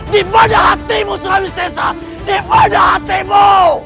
di mana hatimu surawi sesa di mana hatimu